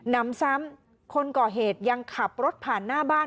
นำซ้ำคนก่อเหตุยังขับรถผ่านหน้าบ้าน